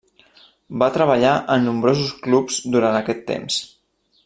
Va treballar en nombrosos clubs durant aquest temps.